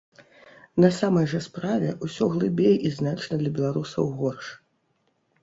На самай жа справе ўсё глыбей і значна для беларусаў горш.